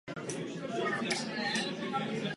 Rusko se musí rozhodnout samo.